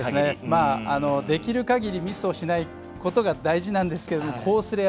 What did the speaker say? できる限りミスをしないことが大事なんですけどコース